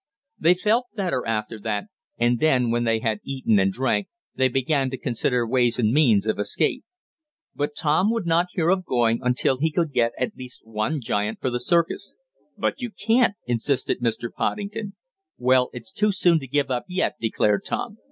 They felt better after that, and then, when they had eaten and drank, they began to consider ways and means of escape. But Tom would not hear of going until he could get at least one giant for the circus. "But you can't!" insisted Mr. Poddington. "Well, it's too soon to give up yet," declared Tom.